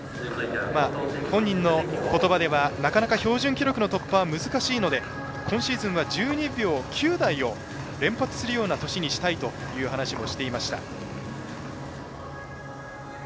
本人のことばではなかなか標準記録の突破は難しいので今シーズンは１２秒９台を連発するような年にしたいと話をしていました。